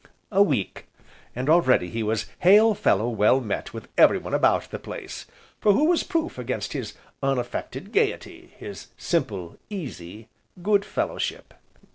A week! and already he was hail fellow well met with everyone about the place, for who was proof against his unaffected gaiety, his simple, easy, good fellowship?